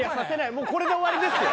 もうこれで終わりですよ。